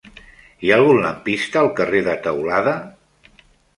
Hi ha algun lampista al carrer de Teulada?